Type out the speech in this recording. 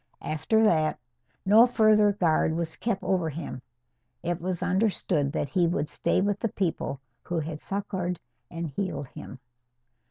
After that, no further guard was kept over him. It was understood that he would stay with the people who had succoured and healed him.